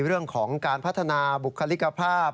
เรื่องของการพัฒนาบุคลิกภาพ